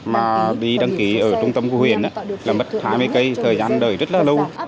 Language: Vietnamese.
mà đi đăng ký ở trung tâm của huyện là mất hai mươi cây thời gian đời rất là lâu